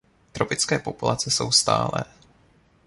Tropické populace jsou stálé.